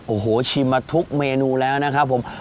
โอ้โหชิมมาทุกเมนูแล้วนะครับผม